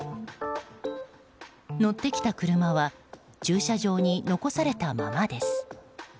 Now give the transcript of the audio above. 乗ってきた車は駐車場に残されたままです。